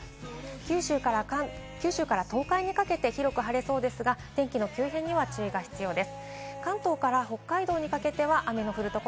九州から東海にかけて、広く晴れそうですが、天気の急変には注意が必要です。